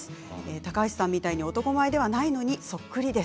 高橋さんみたいに男前ではないのに、そっくりです。